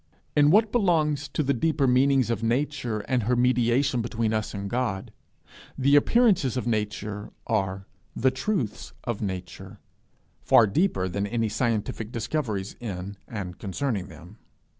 In what belongs to the deeper meanings of nature and her mediation between us and God, the appearances of nature are the truths of nature, far deeper than any scientific discoveries in and concerning them.